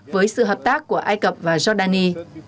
với sự hợp tác của ai cập và giordani